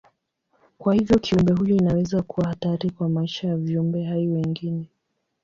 Kwa hivyo kiumbe huyu inaweza kuwa hatari kwa maisha ya viumbe hai wengine.